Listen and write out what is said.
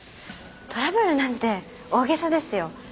トラブルなんて大げさですよ。